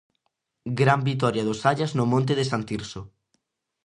Gran vitoria do Xallas no monte de San Tirso.